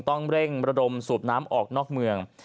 ต้องเร่งระดมสูบน้ำออกนอกเมือง